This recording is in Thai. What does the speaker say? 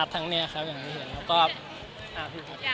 แล้วทำไมไม่ให้น้องได้อยู่นานกับเรา